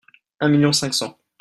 Un million cinq cents.